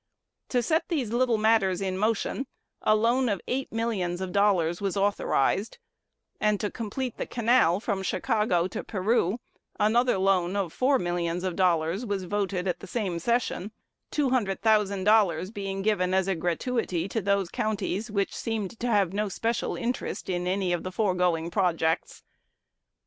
To set these little matters in motion, a loan of eight millions of dollars was authorized; and, to complete the canal from Chicago to Peru, another loan of four millions of dollars was voted at the same session, two hundred thousand dollars being given as a gratuity to those counties which seemed to have no special interest in any of the foregoing projects.